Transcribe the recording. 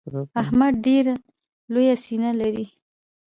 احمد ډېره لو سينه لري.